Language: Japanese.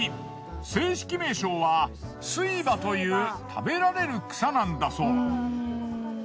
正式名称はスイバという食べられる草なんだそう。